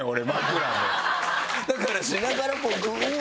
だからしながらグワ！